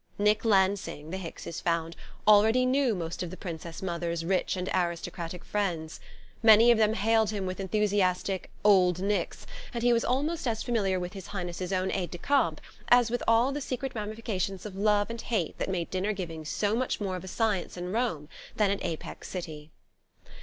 Nick Lansing, the Hickses found, already knew most of the Princess Mother's rich and aristocratic friends. Many of them hailed him with enthusiastic "Old Nicks", and he was almost as familiar as His Highness's own aide de camp with all those secret ramifications of love and hate that made dinner giving so much more of a science in Rome than at Apex City.